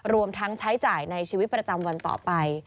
รวมทั้งใช้จ่ายในชีวิตประจำวันต่อไป